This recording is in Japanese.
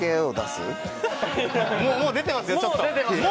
もう出てますよ。